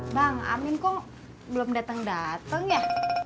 bang amin kok belum dateng dateng ya